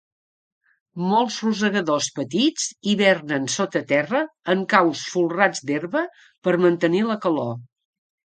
Molts rosegadors petits hibernen sota terra, en caus folrats d'herba per mantenir la calor.